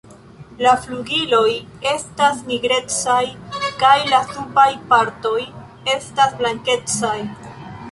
La flugiloj estas nigrecaj kaj la subaj partoj estas blankecaj.